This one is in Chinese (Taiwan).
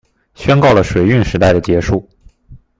宣告了水運時代的結束